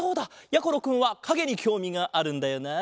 やころくんはかげにきょうみがあるんだよな。